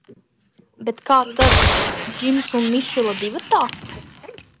"Bet kā tad "Džims un Mišela divatā"?"